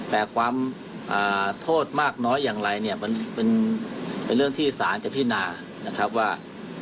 แต่ความโทษมากน้อยอย่างไรเป็นเรื่องที่สารจะพินาว่า